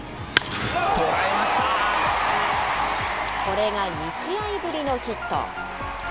これが２試合ぶりのヒット。